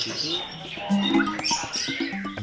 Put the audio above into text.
jadi saya harus berpikir pikir